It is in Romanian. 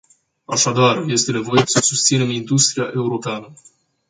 Așadar este nevoie să susținem industria europeană.